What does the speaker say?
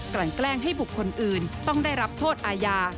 ลั่นแกล้งให้บุคคลอื่นต้องได้รับโทษอาญา